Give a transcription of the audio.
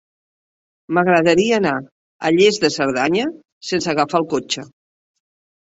M'agradaria anar a Lles de Cerdanya sense agafar el cotxe.